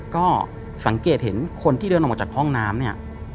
ก็สังเกตเห็นคนที่เดินออกมาจากห้องน้ำเนี่ย